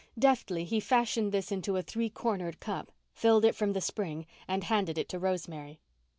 Deftly he fashioned this into a three cornered cup, filled it from the spring, and handed it to Rosemary.